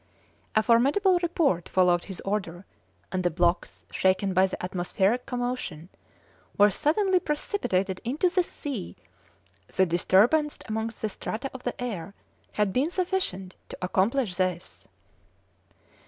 A formidable report followed his order, and the blocks, shaken by the atmospheric commotion, were suddenly precipitated into the sea; the disturbance amongst the strata of the air had been sufficient to accomplish this.